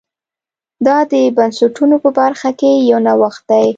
دا د بنسټونو په برخه کې یو نوښت دی